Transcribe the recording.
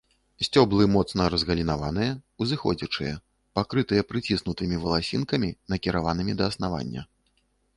Сцеблы моцна разгалінаваныя, узыходзячыя, пакрытыя прыціснутымі валасінкамі, накіраванымі да аснавання.